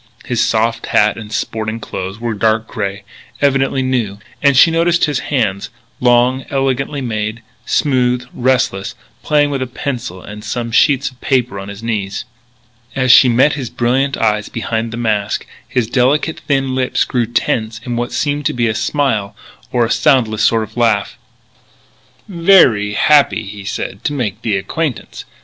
His soft hat and sporting clothes were dark grey, evidently new. And she noticed his hands long, elegantly made, smooth, restless, playing with a pencil and some sheets of paper on his knees. As she met his brilliant eyes behind the mask, his delicate, thin lips grew tense in what seemed to be a smile or a soundless sort of laugh. "Veree happee," he said, "to make the acquaintance.